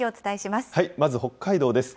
まず北海道です。